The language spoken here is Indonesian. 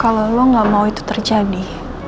kalau lo gak mau itu terjadi